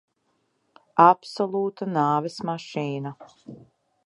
Absolūta nāves mašīna.